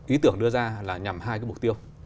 ý tưởng đưa ra là nhằm hai cái mục tiêu